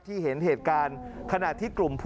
ขอบคุณครับ